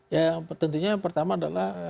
ya tentunya yang pertama adalah